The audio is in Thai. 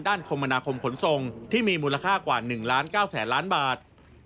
ด้านคมณาคมขนทรงที่มีมูลค่ากว่า๑๙๐๐๐๐๐บาท